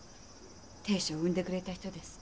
亭主を産んでくれた人です。